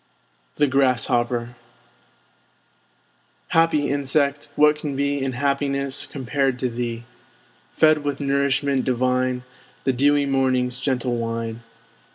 THE GRASSHOPPER Happy Insect! what can be In happiness compared to thee? Fed with nourishment divine, The dewy Morning's gentle wine!